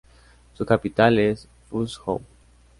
Su capital es Fuzhou.